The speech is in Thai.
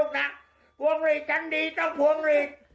ปัจจัมหาพร